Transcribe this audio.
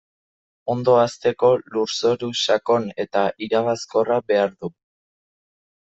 Ondo hazteko, lurzoru sakon eta iragazkorra behar du.